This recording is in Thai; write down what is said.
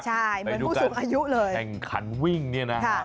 ใช่เหมือนผู้สูงอายุเลยแข่งขันวิ่งเนี่ยนะฮะ